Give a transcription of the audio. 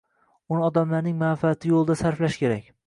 Uni odamlarning manfaati yo’lida sarflash kerak…